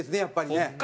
やっぱりね。